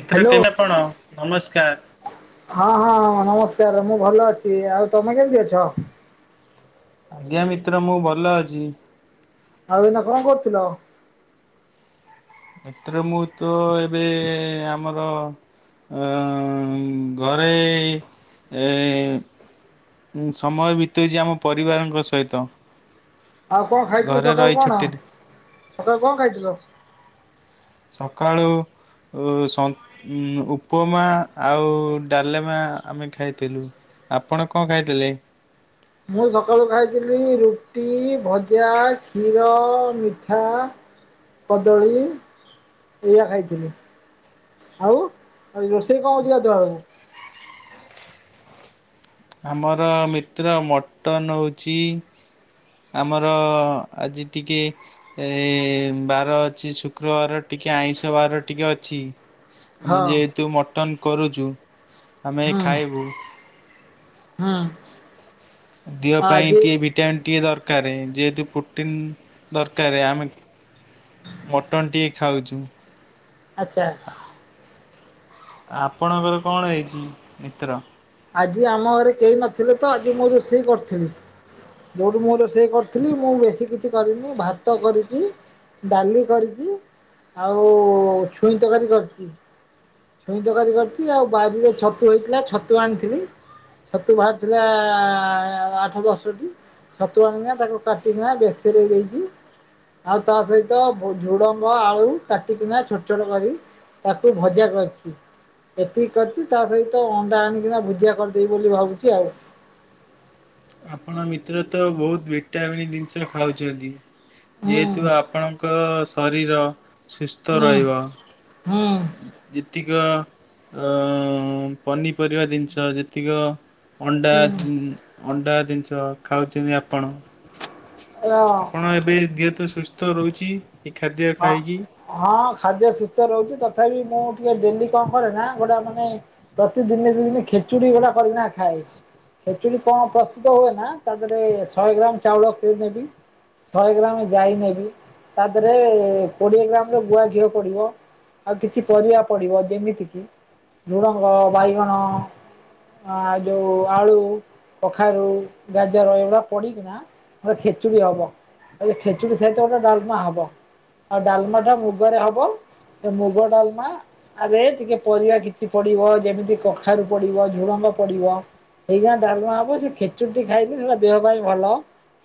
ଭିତରେ ହ୍ୟାଲୋ କେବେ କଣ ନମସ୍କାର ହଁ ହଁ ନମସ୍କାର ମୁଁ ଭଲ ଅଛି ଆଉ ତମେ କେମିତି ଅଛ? ଆଜ୍ଞା ମିତ୍ର ମୁଁ ଭଲ ଅଛି। ଆଉ ଏଇନା କଣ କରୁଥିଲ? ଏଥିରେ ମୁତଏବେ ଆମର ଘରେ ସମୟ ବିତଉଛି ଆମ ପରିବାରଙ୍କ ସହିତ। ଆଉ କଣ ଖାଇଥିଲ ଘରେ ସକାଳୁ ରହି କଣ ଛୁଟିରେ ସକାଳୁ କଣ ସକାଳୁ ଖାଇଥିଲ? ସକାଳୁ ଉପମା ଆଉ ଡାଲେମା ଆମେ ଖାଇଥିଲୁ ଆପଣ କଣ ଖାଇଥିଲେ? ମୁଁ ସକାଳୁ ଖାଇଥିଲି ରୁଟି ଭଜା କ୍ଷୀର ମିଠା କଦଳୀ ଏଇଆ ଖାଇଥିଲି ଆଉ ରୋଷେଇ କଣ ହଉଚି ଗାଧୁଆ ବେଳକୁ। ଆମର ମିତ୍ର ମଟନ ହେଉଛି ଆମର ଆଜି ଟିକେ ବାର ଅଛି ଶୁକ୍ରବାର ଟିକେ ଆଇଁଷ ବାର ଟିକେ ଅଛି। ଆମେ ହଁ ଯେହେତୁ ମଟନ କରୁଚୁ ଆମେ ଖାଇବୁ ହାଁ ଦିହ ପାଇଁ ଟିକଏ ଭିଟାମିନ୍ ଟିକେ ଦରକାର କାରେ ଯେହେତୁ ପ୍ରୁଟିନ୍ ଦରକାରେ ଆମେ ମଟନ୍ ଟିକେ ଖାଉଚୁ। ଆଚ୍ଛା। ଆପଣଙ୍କର କଣ ହେଇଚି ମିତ୍ର? ଆଜି ଆମ ଘରେ କେହି ନଥିଲେ ତ ଆଜି ମୁଁ ରୋଷେଇ କରୁଥିଲି। ଯୋଉଠୁ ମୁଁ ରୋଷେଇ କରିଥିଲି ମୁଁ ବେଶୀ କିଛି କରିନି ଭାତ କରିଚି ଡାଲି କରିଚି ଆଉ ଛୁଇଁ ତରକାରୀ କରିଚି। ଛୁଇଁ ତରକାରି କରିଚି। ଆଉ ବାରିରେ ଛତୁ ହେଇଥିଲା ଛତୁ ଆଣିଥିଲି ଛତୁ ବାହାରିଥିଲା ଆଠ ଦଶଟି ଛତୁ ଆଣିକିନା ତାକୁ କାଟିକିନା ବେଶେରେଇ ଦେଇଚି। ଆଉ ତା ସହିତ ଝୁଡ଼ଙ୍ଗ ଆଳୁ କାଟିକିନା ଛୋଟ ଛୋଟ କରି ତାକୁ ଭଜା କରି ଚି ଏତିକି କରିଚି ତା ସହିତ ଅଣ୍ଡା ଆଣିକିନା ଭୁଜିଆ କରିଦେଇବି ବୋଲି ଭାବୁଚି ଆଉ ଆପଣ ମିତ୍ର ତ ବହୁତ ଭିଟାମିନ ଜିନିଷ ଖାଉଚନ୍ତି। ହୁଁ ଯେହେତୁ ଆପଣଙ୍କ ଶରି ରୀର ସୁସ୍ଥ ହୁଁ ରହିବ। ହୁଁ ଯିତିକ ଅଁ ପନିପରିବା ଜିନିଷ ଯେତିକ ଅଣ୍ଡା ହୁଁ ଜିନ୍ ଅଣ୍ଡା ଜିନିଷ ଖାଉଚନ୍ତି ଆପଣ? ର ଆପଣ ଏବେ ଦେହ ତ ସୁସ୍ ଥ ରହୁଚି। ହଁ ହଁ ଖାଦ୍ୟ ସୁସ୍ଥ ରହୁଚି ତାପ ତଥାବି ମୁଁ ଟିକେ ଡେଲି କଣ କରେ ନା ଗୋଟା ମାନେ ପ୍ରତିଦିନେ ଦି ଦିନି ଖେଚୁଡ଼ି ଗୋଟା କରିକିନା ଖାଏ। ଖେଚୁଡ଼ି କଣ ପ୍ରସ୍ତୁତ ହୁଏ ନା ତା ଦେହରେ ଶହେ ଗ୍ରାମ ଚାଉଳ କିଏ ନେବି ଶହେ ଗ୍ରାମ ଜାଇ ନେବି ତା ଦେହରେ କୋଡିଏ ଗ୍ରାମର ଗୁଆ ଘିଅ ପଡିବ। ଆଉ କିଛି ପରିବା ପଡିବ ଯେମିତି କିି ଝୁଡ଼ଙ୍ଗ ବାଇଗଣ ଆ ଯୋଉ ଆଳୁ କଖାରୁ ଗାଜର ଏଗୁଡ଼ା ପଡ଼ିକିନା ହ ଖେଚୁଡ଼ି ହବ ଖେଚୁଡ଼ି ସହିତ ଗୋଟେ ଡାଲମା ହବ। ଆଉ ଡାଲମା ଟା ମୁଗରେ ହବ। ସେ ମୁଗ ଡାଲମା ରେ ଟିକେ ପରିବା କିଛି ପଡିବ। ଯେମିତି କଖାରୁ ପଡିବ, ଝୁଡଙ୍ଗ ପଡିବ, ଏଇ ଯା ଡାଲମା ହବ ସେ ଖେଚୁଡ଼ିଟି ଖାଇଲେ ସେଟା ଦେହ ପାଇଁ ଭଲ।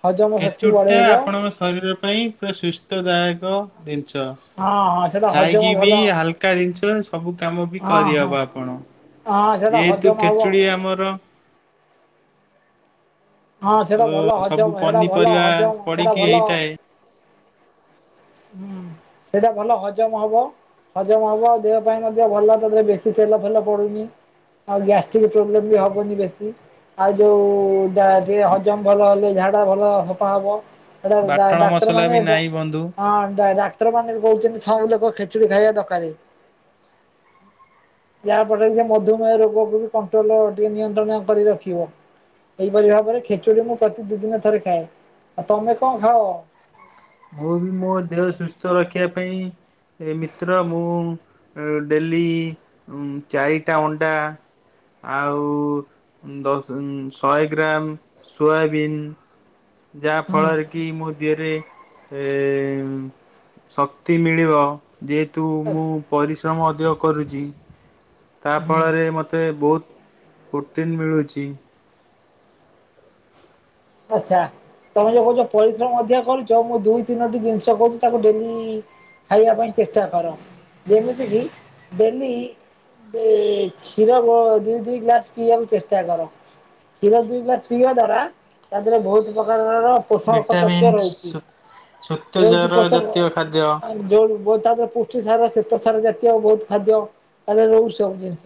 ହଜମ ଶକ୍ତି ଖେଚୁଡ଼ି ଟା ବଢ଼େଇବ ଆପଣଙ୍କ ଶରୀର ପାଇଁ ପୁରା ସୁସ୍ଥ ଦାୟକ। ଦିନ୍ ଆଚ୍ଛା। ହଁ ହଁ ସେଟା ଖାଇକି ହଜମ ବି ଭଲ ହାଲକା ଜିନିଷ ସବୁ କାମ ବି ହଁ ହଁ କରିହବ ଆପଣ ହଁ ସେଟା ଯେହେତୁ ହଜମ ହବ କେଚୁଡି ଆମର ହଁ ସେଟା ଭଲ ଅ ସବୁ ହଜମ। ହେଟା ଭଲ ପନିପରିବା ହଜମ। ସେଟା ପଡିକି ଭଲ ହେଇଥାଏ ହୁଁ ସେଟା ଭଲ ହଜମ ହବ। ହଜମ ହବ ଆଉ ଦେହ ପାଇଁ ମଧ୍ୟ ଭଲ ତାଦେହରେ ବେଶୀ ତେଲ ଫେଲ ପଡୁନି ଆଉ ଗ୍ୟାଷ୍ଟ୍ରିକ ପ୍ରୋବ୍ଲେମ୍ ବି ହବନି ବେଶୀ ଆଉ ଯୋଉ ଦ ଇଏ ହଜମ ଭଲ ହେଲେ ଝାଡ ଡ଼ା ଭଲ ସଫା ହବ। ଏଟା ଡ଼ା ବାଟଣ ମସଲା ଡାକ୍ତରମାନେ ବି ଏଟା ନାହିଁ ବନ୍ଧୁ। ହଁ ଡ଼ା ଡାକ୍ତର ମାନେ ବି କହୁଚନ୍ତି ସବୁଲୋକ ଖେଚୁଡି ଖାଇବା ଦକାରେ। ଯାହାପେଟରେ ସେ ମଧୁମେହ ରୋଗକୁ ବି କଣ୍ଟ୍ରୋଲ ଟିକେ ନିୟନ୍ତ୍ରଣ କରି ରଖିବ। ଏହିପରି ଭାବରେ ଖେଚୁଡି ମୁଁ ପ୍ରତି ଦି ଦିନ ଥରେ ଖାଏ। ଆଉ ତମେ କଣ ଖାଅ? ମୁଁ ବି ମୋ ଦେହ ସୁସ୍ଥ ରଖିବା ପାଇଁ ଏ ମିତ୍ର ମୁଁ? ଡେଲି ଉଁ ଚାରିଟା ଅଣ୍ଡା, ଆଉ ଦଶ ଉଁ ଶହେ ଗ୍ରାମ ସୋୟାବିନ୍। ଯାହା ହୁଁ ଫଳରେ କି ମୋ ଦେହରେ ଏ ଉମ୍ ଶକ୍ତି ମିଳିବ। ଯେହେତୁ ମୁଁ ପରିଶ୍ ପରିଶ୍ରମ ଅଧିକ କରୁଛି ତା ହୁଁ। ଫଳରେ ମୋତେ ବହୁତ ପ୍ରୋଟିନ୍ ମିଳୁଛି। ଆଚ୍ଛା ତମେ ଯୋଉ କହୁଛ ପରିଶ୍ରମ ମଧ୍ୟ କରୁଛ, ମୁଁ ଦୁଇ ତିନୋଟି ଜିନିଷ କହୁଛି, ତାକୁ ଡେଲି ଖାଇବା ପାଇଁ ଚେଷ୍ଟା କର, ଯେମିତି କିି ଡେଲି କ୍ଷୀର ଦି ଦିଇ ଗ୍ଲାସ, ପିଇବାକୁ ଚେଷ୍ଟା କର କ୍ଷୀର ଦୁଇ ଗ୍ଲାସ ପିଇବା ଦ୍ଵାରା ତା ଦେହରେ ବହୁତ ପ୍ରକାରର ପୋଷକ ଭିଟାମିନ୍ ତତ୍ୱ ରହୁଛି। ରହୁଛି ସତେଜର ପୋଷକ ଜାତୀୟ ଖାଦ୍ୟ ଯୋଉ ବୋଇତାଳୁ ରେ ପୁଷ୍ଟି ସାର, ଶ୍ୱେତ ସାର, ଜାତୀୟ ବହୁତ ଖାଦ୍ୟ ତାହିଁରେ ରହୁଛି ସବୁ ଜିନିଷ,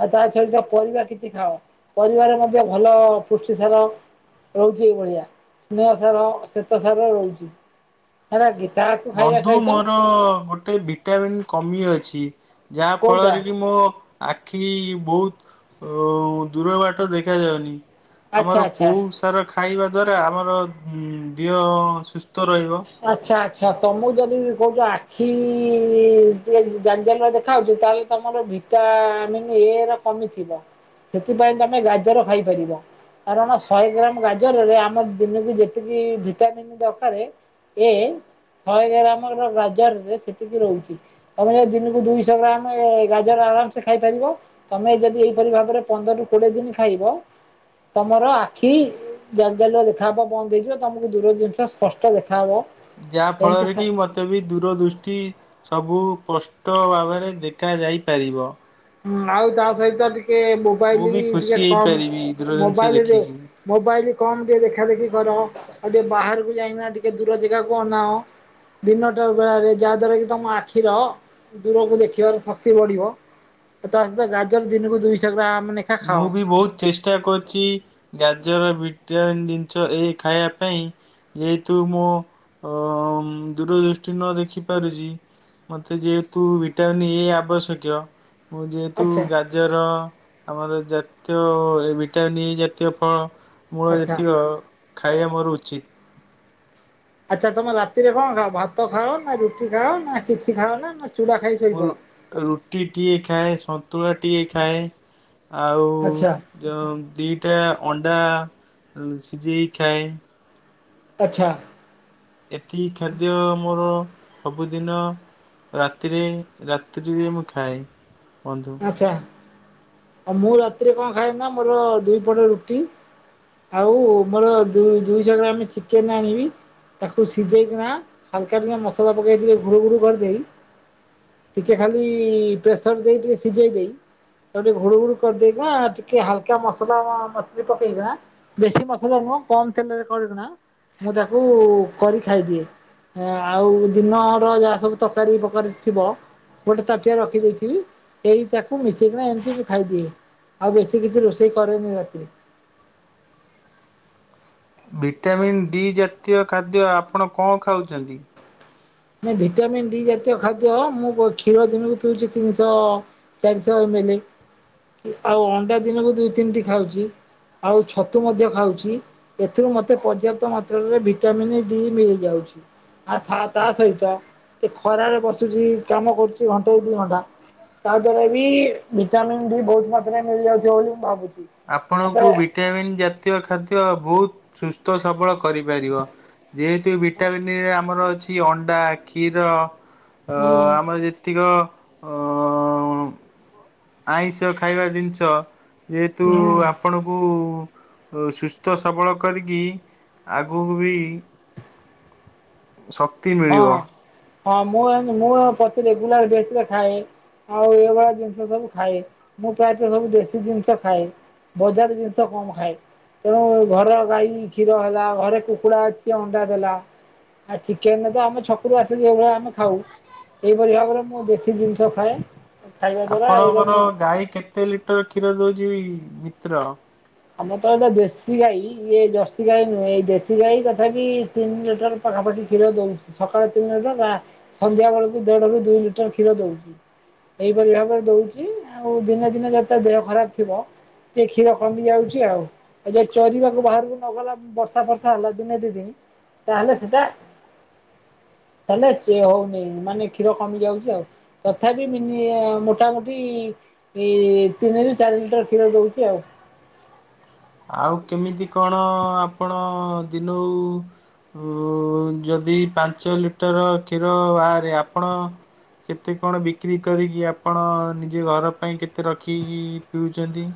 ଆଉ ତା ସହିତ ପରିବା କିଛି ଖାଅ, ପରିବାରେ ମଧ୍ୟ ଭଲ ପୁଷ୍ଟି ସାର। ରହୁଛି ଏଇଭଳିଆ ସ୍ନେହ ସାର, ଶ୍ୱେତ ସାର ରହୁଛି। ହେଲାଗି। ବନ୍ଧୁ ମୋର ଗୋଟେ, ଭିଟାମନ୍ କମି ଅଛି। ଯାହା କୋଉଟା ଫଳରେ କି ମୁଁ। ଆଖି ବହୁତ ଅ ଦୂର ବାଟ ଦେଖାାଯାଉନି। ଆଚ୍ଛା ଆମର ଆଚ୍ଛା କୋଉ ସାର ଖାଇବା ଯୋଦ୍ୱାରା ଆମର ଦିହ ସଷ୍ ଆଛା ଅଛା। ତମକୁ ଯଦି କହୁଛ ଆଖି, ଜାଲ୍ ଜାଲିଆ ଦେଖାଉଛି, ତାହେଲେ ତମର ଭିଟାମିନ୍ ଏ ର କମି ଥିବ, ସେଥିପାଇଁ ତମେ ଗାଜର ଖାଇପାରିବ, କାରଣ ଶହେ ଗ୍ରାମ ଗାଜରରେ ଆମ ଦିନକୁ ଯେତିକି ଭିଟାମିିନ ଦରକାରେ ଏ ଶହେ ଗ୍ରାମ ର ଗାଜରରେ ସେତିକି ରହୁଛି, ତମେ ଯଦି ଦିନକୁ ଦୁଇଶହ ଗ୍ରାମ ଗାଜର ଆରାମ ସେ ଖାଇପାରିବ, ତମେ ଯଦି ଏଇପରି ଭାବରେ ପନ୍ଦର ରୁ କୋଡିଏ ଦିନ ଖାଇବ, ତମର ଆଖି ଜାଲ ଜାଲିଆତ ଦେଖାହବ ବନ୍ଦ ହେଇଯିବ, ତମକୁ ଦୂର ଜିନିଷ ସ୍ପଷ୍ଟ ଦେଖା ହାଁ ମ ଯାହା ଫଳରେ କି ମତେ ବି ଦୂର ଦୃଷ୍ଟି ସବୁ ସ୍ପଷ୍ଟ ଭାବରେ ଦେଖା ଯାଇ ପାରିବ। ହୁଁ ଆଉ ତା ସହିତ ଟିକେ ଟିକେ ମୋବାଇଲ, ମୁଁ ବି ଖୁସି ଟିକେ କମ୍ ହେଇପାରିବି ଦୂର ଜିନିଷ ମୋବାଇଲ, ଦେଖିକି। ମୋବାଇଲ କମ୍ ଟିକେ ଦେଖା ଦେଖି କର, ଆଉ ଟିକେ ବାହାରକୁ କାହିଁକିନା ଟିକେ ଦୂର ଜାଗାକୁ ଅନାଅ, ଦିନଟା ବେଳାରେ, ଯାହା ଦ୍ଵାରା କି ତମ ଆଖିର, ଦୂରକୁ ଦେଖିବାର ଶକ୍ତି ବଢିବ। ତା ସହିତ ଗାଜର ଦିନକୁ ଦୁଇଶହ ଗ୍ରାମ ଲେଖା ମୁଁ ଖାଅ ବି ବହୁତ ଚେଷ୍ଟା କରୁଛି ଗାଜର ବି ଭିଟାମିନ ଜିନିଷ ଏ ଖାଇବା ପାଇଁ, ଯେହେତୁ ମୁଁ ଦୂରଦୃଷ୍ଟି ନ ଦେଖିପାରୁଛି, ମୋତେ ଯେହେତୁ ଭିଟାମିନ୍ ଏ ଆବଶ୍ୟକ। ମୁଁ ଯେହେତୁ ଆଚ୍ଛା ଗାଜର ଆମର ଜାତୀୟ, ଭଟାମିନି ଜାତୀୟ ଫଳ ମୋର ଆଚ୍ଛା। ଯେତିକ ଖାଇବା, ମୋର ଉଚିତ। ଆଚ୍ଛା ତମେ ରାତିରେ କଣ ଖାଅ? ଭାତ ଖାଅ, ନା ରୁଟି ଖାଅ, ନା କିଛି ଖାଅ, ନା ନା ଚୁଡା ଖାଇ ମୁଁ ଶୋଇପଡ? ରୁଟିଟିଏ ଖାଏ, ସନ୍ତୁଳା ଟିଏ ଖାଏ। ଆଉ ଆଚ୍ଛା ଯଉ ଦିଟା ଅଣ୍ଡା ଅଦା ସିଝେଇ ଖାଏ। ଆଛା। ଏତିକି ଖାଦ୍ୟ ମୋର ସବୁଦିନ ରାତିରେ ରାତ୍ରିରେ ମୁଁ ଖାଏ। ବନ୍ଧୁ। ଆଛା। ଆଉ ମୁଁ ରାତିରେ କଣ ଖାଏ ନା ମୋର ଦୁଇ ପଟ ରୁଟି ଆଉ ମୁଁ ରାତିରେ କଣ ଖାଏନା ମୋର ଦୁଇପଟ ରୁଟି ଆଉ ମୋର ଦୁଇଶହ ଗ୍ରାମ ଚିକେନ ଆଣିବି ତାକୁ ସିଝେଇକିନା ହାଲକା ମସଲା ପକେଇେ ଘୁରୁ ଘୁରୁ କରିଦେବି। ଟିକେ ଖାଲି ପ୍ରେସର ଦେଇ ସିଝେଇ ଦେଇ ତା ଟିକେ ଘୁଡ଼ୁ ଘୁଡ଼ୁ କରିଦେଇକିନା ଟିକେ ହାଲକା ମସଲା ମଛଲି ପକେଇକିନା ବେଶୀ ମସଲା ନୁହଁ ଭିଜେଇ ଦେଇ ତାକୁ ଟିକେ ଘୁରୁ ଘୁରୁ କରିଦେଇକିନା ଟିକେ ହାଲକା ମସଲା ହସିଲି ପକେଇକିନା ବେଶି ମସଲା ନୁହଁ କମ ତେଲରେ କରିକିନା ମୁଁ ତାକୁ କରି ଖାଇଦିଏ। ଆଉ ଦିନର ଯାହା ସବୁ ତରକାରୀ ବକାରୀ ଥିବ ଗୋଟେ ତାଟିଆରେ ରଖି ଦେଇଥିବି। ଏଇ ତାକୁ ମିଶେଇକିନା ଏମିତି ବି ଖାଇଦିଏ। ଆଉ ବେଶୀ କିଛି ରୋଷେଇ କରେନି ରାତିରେ। ଭିଟାମିନ୍ ଡି ଜାତୀୟ ଖାଦ୍ୟ ଆପଣ କଣ ଖାଉଛନ୍ତି। ଭିଟାମିନ୍ ଡି ଜାତୀୟ ଖାଦ୍ୟ ମୁଁ କ୍ଷୀର ଦିନକୁ ପିଉଛି ତିନିଶହ ଭିଟାମିନ ଡି ଜାତୀୟ ଖାଦ୍ୟ ମୁଁ ଖୀର ଦିନକୁ ପିଉଛି ତିନିଶହ ଏକ୍ ଶ ଏମିଲି ଆଉ ଅଣ୍ଡା ଦିନକୁ ଦୁଇ ତିନିଟି ଖାଉଛି। ଆଉ ଛତୁ ମଧ୍ୟ ଖାଉଛି। ଏଥିରୁ ମୋତେ ପର୍ଯ୍ୟାପ୍ତ ମାତ୍ରାରେ ଭିଟାମିନ୍ ଡି ମିଳିଯାଉଛି। ଆ ତା ସହିତ ଏ ଖରାରେ ବସୁଛି କାମ କରୁଛି ଘଣ୍ଟେ ଦି ଘଣ୍ଟା ତା ଦ୍ଵାରା ବି ଭିଟାମିନ୍ ବି ବହୁ ମାତ୍ରାରେ ମିଳିଯାଉଛି ବୋଲି ମୁଁ ଭାବୁଛି। ମତେ ଆପଣଙ୍କୁ ଭିଟାମିନ୍ ଜାତୀୟ ଖାଦ୍ୟ ବହୁତ ସୁସ୍ଥ ସବଳ କରିପାରିବ ଯେହେତୁ ଭିଟାମିନ୍ ଡି ଆମର ଛି ଅଣ୍ଡା କ୍ଷୀର ଅ ହୁଁ ଆମର ଯେତିକ ହଁ। ଆଇଁଷ ଖାଇବା ଦିନିଷ ଯେହେତୁ ହୁଁ। ଆପଣଙ୍କୁ ସୁସ୍ଥ ସବଳ କରିକି ଆଗକୁ ବି ଶକ୍ତି ମିଳିବ। ହଁ ହଁ ମୁଁ ମୁଁ ପ୍ରତି ରେଗୁଲାର ବେସରେ ଖାଏ ଆଉ ଏଭଳିଆ ଜିନିଷ ସବୁ ଖାଏ ମୁଁ ପ୍ରାୟତଃ ସବୁ ଦେଶୀ ଜିନିଷ ଖାଏ ବଜାର ଜିନିଷ କମ ଖାଏ ତେଣୁ ଘର ଗାଈ କ୍ଷୀର ହେଲା ଘରେ କୁକୁଡ଼ା ଅଛି ଅଣ୍ଡା ଦେଲା ଆଉ ଚି କେନ ତ ଆମ ଛକୁ ଆସିଲି ସେଭଳିଆ ଆମେ ଖାଉ ଏଇପରି ଭାବରେ ମୁଁ ବେଶୀ ଜିନିଷ ଖାଏ। ଖାଇବା ଦ୍ଵାରା ଏଇଟା ଆପଣଙ୍କର ମୁଁ ଗାଈ କେତେ ଲିଟର କ୍ଷୀର ଦଉଛି। ମିତ୍ର ଆମର ତ ଏଇଟା ଦେଶୀ ଗାଈ ଇଏ ଜର୍ସିୀ ଗାଈ ନୁହେଁ ଏଇ ଦେଶୀ ଗାଈ ତଥାପି ତିନି ଲିଟର ପାଖାପାଖି କ୍ଷୀର ଦଉଛି ଆମର ତ ଦେଶୀ ଗାଈ ଦର୍ଶି ଗାଈ ନୁହେଁ ଦେଶୀ ଗାଈ। ତଥାପି ସକାଳେ ତିନି ଲିଟର ବା ସନ୍ଧ୍ୟା ବେଳକୁ ଦେଢରୁୁ ଦୁଇ ଲିଟର କ୍ଷୀର ଦଉଛି। ଏଇପରି ଭାବରେ ଦଉଛି ଆଉ ଦିନେ ଦିନେ ଯେତେ ଦେହ ଖରାପ ଥିବ ଟିକ କ୍ଷୀର କମି ଯାଉଛି। ଯି ଚରିବାକୁ ବାହାରକୁ ନଗଲା ବର୍ଷା ଫର୍ଷା ହେଲା ଦିନେ ଦି ଚରିବାକୁ ବାହାରକୁ ନଗଲା ବର୍ଷା ଫର୍ଷା ହେଲା ଦିନେ ଦି ଦିନି ତାହେଲେ ସେଟା ତାଲେ ହଉନି ମାନେ କ୍ଷୀର କମି ଯାଉଛି। ଆଉ ତଥାପି ମୋଟାମୋଟି ତିନିରୁ ଚାରି ଲିଟର କ୍ଷୀର ଦଉଛି ଆଉ। ଆଉ କେମିତି କଣ ଆପଣ ଦିନକୁ ଯଦି ପାଞ୍ଚ ଲିଟର କ୍ଷୀର ବାହାରେ ଆପଣ କେତେ କଣ ବିକ୍ରି କରିକି ଆପଣ ନିଜ ଘର ପାଇଁ କେତେ ରଖିକି ପିଉଛନ୍ତି।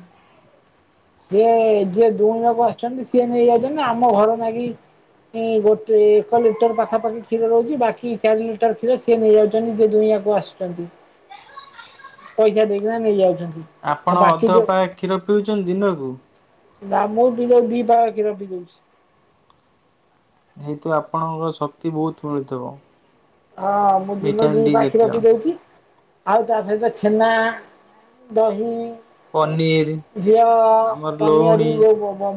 ସିଏ ଯିଏ ଦୁହିଁ ଯକୁ ଆସୁଛନ୍ତି ସିଏ ନେଇଯାଉଛନ୍ତି ଆମ ଘର କିଏ ଯିଏ ଦୁହିଁବାକୁ ଆସୁଚନ୍ତି ସିଏ ନେଇଯାଉଚନ୍ତି ନା ଆମ ଘରେ ନାଗି ଗୋଟେ ଏକ ଲିଟର ପାଖାପାଖି କ୍ଷୀର ରହୁଛି। ବାକି ଚାରି ଲିଟର କ୍ଷୀର ସିଏ ନେଇଯାଉଛନ୍ତି। ଯିଏ ଦୁହିଁବାକୁ ଆସୁଛନ୍ତି। ପଇସା ଦେଇକିନା ନେଇଯାଉଛନ୍ତି। ଆଉ ଆପଣ ବାକି ଅଧ ଯୋଉ ପାଏ କ୍ଷୀର ପିଉଛନ୍ତି ଦିନକୁ‌? ହଁ। ନା ମୁଁ ବି ଯଉ ଦି ପାଏ କ୍ଷୀର ବି ଦଉଛି। ଯେହେତୁ ଆପଣଙ୍କର ଶକ୍ତି ବହୁତ ମିଳୁଥିବ। ହଁ ମୁଁ ଦିନକୁ ଦି ଭିଟାମିନ୍ ଡି ପାଖି କ୍ଷୀର ଜାତୀୟ। ପି ଦଉଛି। ଆଉ ତା ସହିତ ଛେନା ଦହି ପନିର ଝିଅ ଆମର ପନିଅରି ଲହୁଣୀ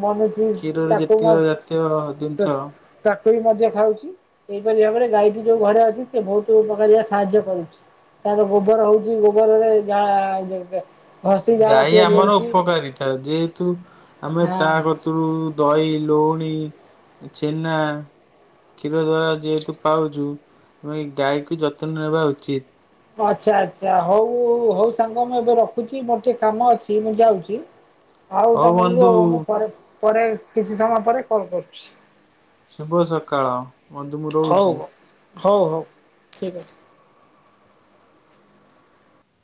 ବନାଉଛି କ୍ଷୀରରେ ତାକୁ ଯେତିକ ମା ଜାତୀୟ ଜିନିଷ ତା ମଧ୍ୟ ଖାଉଛି ଏଇପରି ଭାବରେ ଗାଈଟି ଯୋଉ ଘରେ ଅଛି ସେ ବହୁତ ପ୍ରକାରିଆ ସାହାଯ୍ୟ କରୁଛି ତାର ଗୋବର ହଉଛି ଗୋବରରେ ଗା ଗାଈ ଆମର ଉପକାରୀତା ଯେହେତୁ ଆମେ ହଁ ତା ଗତରୁ ଦହି, ଲୋହୁଣୀ, ଛେନା, କ୍ଷୀ ର ଯେହେତୁ ପାଉଛୁ ଆମେ ଗାଈକୁ ଯତ୍ନ ନେବା ଉଚିତ। ଆଚ୍ଛା ଆଚ୍ଛା ହଉ ହଉ ସାଙ୍ଗ ମୁଁ ଏବେ ରଖୁଛି ମୋର ଟିକେ କାମ ଅଛି ମୁଁ ଯାଉଛି। ଆଉ ହଉ ତମକୁ ବନ୍ଧୁ ମୁଁ ପରେ ପରେ କିଛି ସମୟ ପରେ କଲ କରୁଛି। ଶୁଭସକାଳ। ମଧୁ ମୁଁ ହଉ ରହୁଛି। ହଉ ହଉ ହଉ ଠିକ ଅଛି।